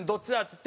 って